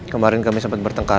kemarin kami sempat bertengkar